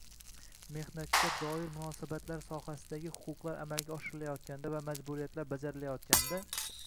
mehnatga doir munosabatlar sohasidagi huquqlar amalga oshirilayotganda va majburiyatlar bajarilayotganda;